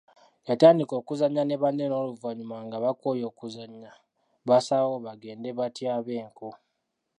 Yatandika okuzannya ne banne n’oluvanyuma nga bakooye okuzannya baasalawo bagende batyabe enku.